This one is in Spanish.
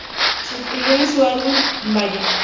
Se incluyó en su álbum "Balla!